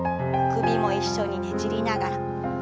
首も一緒にねじりながら。